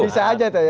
bisa saja itu ya